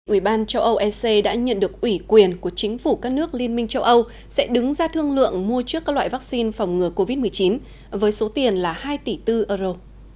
ủy ban châu âu ec đã nhận được ủy quyền của chính phủ các nước liên minh châu âu sẽ đứng ra thương lượng mua trước các loại vaccine phòng ngừa covid một mươi chín với số tiền là hai tỷ bốn euro